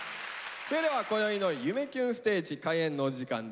それではこよいの「夢キュンステージ」開演のお時間です。